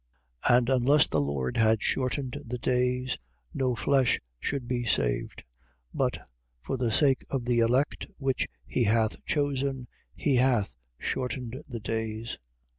13:20. And unless the Lord had shortened the days, no flesh should be saved: but, for the sake of the elect which he hath chosen, he hath shortened the days.